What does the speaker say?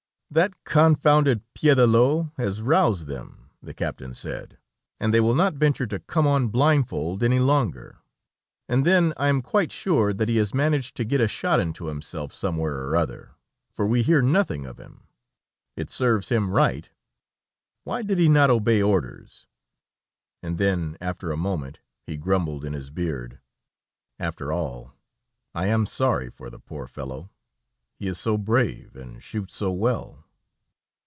"That confounded Piédelot has roused them," the captain said, "and they will not venture to come on blindfold any longer. And then I am quite sure that he has managed to get a shot into himself somewhere or other, for we hear nothing of him. It serves him right; why did he not obey orders?" And then, after a moment, he grumbled in his beard: "After all, I am sorry for the poor fellow, he is so brave and shoots so well!"